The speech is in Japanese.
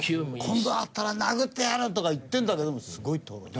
「今度会ったら殴ってやる」とか言ってるんだけどもすごいトロい。